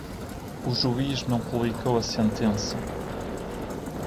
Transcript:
O juiz não publicou a sentença